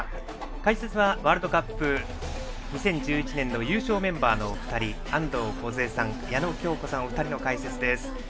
解説はワールドカップ２０１１年優勝メンバーのお二人安藤梢さん、矢野喬子さんの解説です。